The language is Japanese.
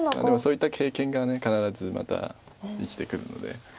でもそういった経験が必ずまた生きてくるので。